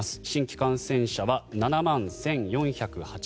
新規感染者は７万１４８９人